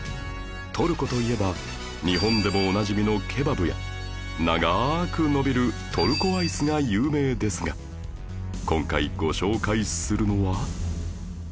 トルコといえば日本でもおなじみのケバブや長く伸びるトルコアイスが有名ですが今回ご紹介するのは